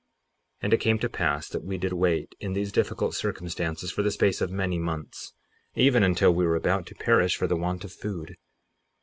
58:7 And it came to pass that we did wait in these difficult circumstances for the space of many months, even until we were about to perish for the want of food.